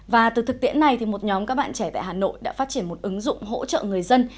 và từ thực tiễn này thì một nhóm các bạn trẻ tại hà nội đã phát triển một ứng dụng hỗ trợ người dân